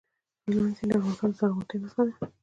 هلمند سیند د افغانستان د زرغونتیا نښه ده.